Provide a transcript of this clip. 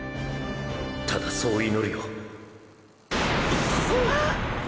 ただそう祈るよ。っ！！